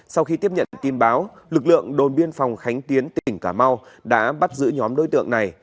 sau khi tiếp nhận tin báo lực lượng đồn biên phòng khánh tiến tỉnh cà mau đã bắt giữ nhóm đối tượng này